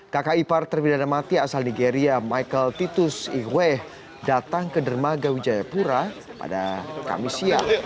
kakak ipar terpidana mati asal nigeria michael titus ihwe datang ke dermaga wijayapura pada kamis siang